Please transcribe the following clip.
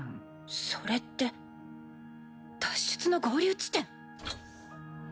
それって脱出の合流地点？